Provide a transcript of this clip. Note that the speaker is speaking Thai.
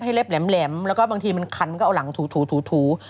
รับเล็บให้เล็บแหลมแล้วก็บางทีมันคันมันก็เอาหลังถู